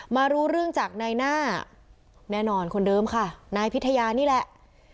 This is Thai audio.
รู้เรื่องจากนายหน้าแน่นอนคนเดิมค่ะนายพิทยานี่แหละ